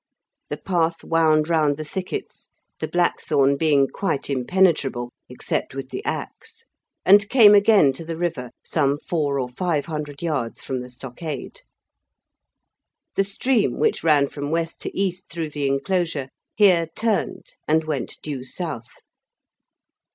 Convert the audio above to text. The path wound round the thickets (the blackthorn being quite impenetrable except with the axe) and came again to the river some four or five hundred yards from the stockade. The stream, which ran from west to east through the enclosure, here turned and went due south.